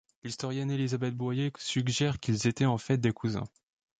L'historienne Elizabeth Boyer suggère qu'ils étaient en fait des cousins.